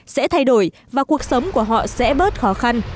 sẽ thay đổi và cuộc sống của họ sẽ bớt khó khăn